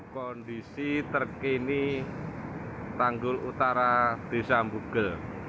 kondisi terkini tanggul utara desa bugel